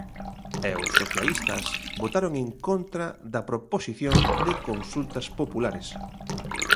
E os socialistas votaron en contra da proposición de consultas populares.